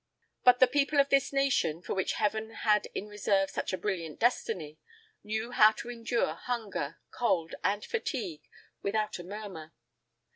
[I 50] But the people of this nation, for which Heaven had in reserve such a brilliant destiny, knew how to endure hunger, cold, and fatigue, without a murmur.